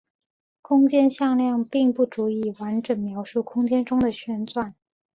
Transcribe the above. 空间向量并不足以完整描述空间中的旋转。